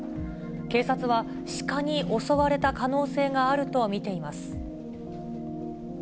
警察は、シカに襲われた可能性があると見ています。